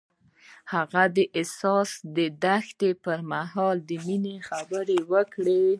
هغه د حساس دښته پر مهال د مینې خبرې وکړې.